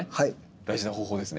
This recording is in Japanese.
大事な方法ですね。